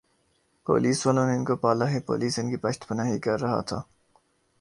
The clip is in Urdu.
پولیس والوں نے ان کو پالا ھے پولیس ان کی پشت پناہی کررہا تھا